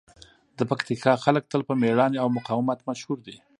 د پکتیکا خلک تل په مېړانې او مقاومت مشهور دي.